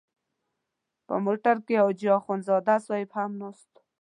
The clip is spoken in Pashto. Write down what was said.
په موټر کې حاجي اخندزاده صاحب هم ناست و.